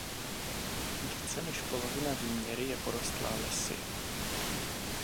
Více než polovina výměry je porostlá lesy.